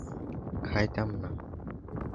অন্য উপন্যাসের পটভূমি কাশ্মীর।